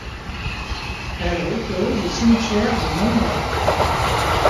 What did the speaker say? Elle repose au cimetière de Montmartre.